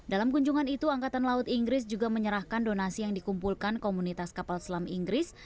dalam kunjungan itu angkatan laut inggris juga menyerahkan donasi yang dikumpulkan komunitas kapal selam inggris